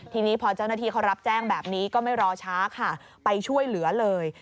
ทีนี้พอเจ้าหน้าที่เขารับแจ้งแบบนี้ก็ไม่รอช้าค่ะไปช่วยเหลือเลย